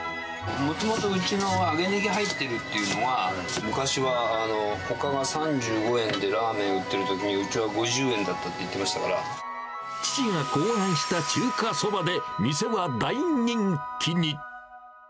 もともとうちの揚げネギ入ってるっていうのは、昔はほかが３５円でラーメン打ってるときに、うちは５０円だった父が考案した中華そばで、店は大人気に。